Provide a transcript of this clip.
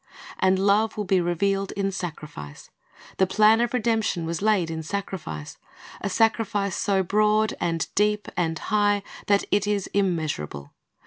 And love will be revealed in sacrifice. The plan of redemption was laid in sacrifice, — a sacri fice so broad and deep and high that it is immeasurable.